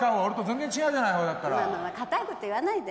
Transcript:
まあまあまあかたいこと言わないで。